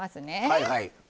はいはい。